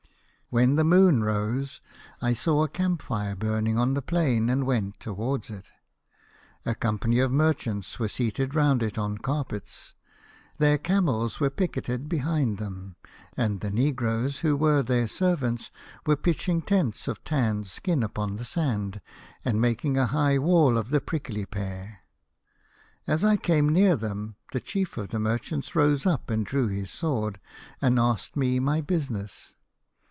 " When the moon rose I saw a camp fire burning on the plain, and went towards it. A company of merchants were seated round it on carpets. Their camels were picketed behind them, and the negroes who were their servants were pitching tents of tanned skin upon the sand, and makinga high wall of the prickly pear. " As I came near them, the chief of the mer chants rose up and drew his sword, and asked me my business.